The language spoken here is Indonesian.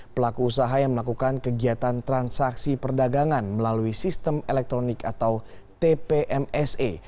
pelaku usaha yang melakukan kegiatan transaksi perdagangan melalui sistem elektronik atau tpmse